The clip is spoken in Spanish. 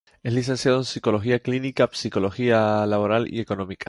Es licenciado en Psicología Clínica, Psicología Laboral y Económicas.